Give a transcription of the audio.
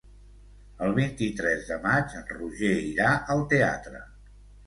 El vint-i-tres de maig en Roger irà al teatre.